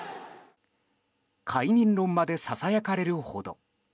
解任論までささやかれるほど。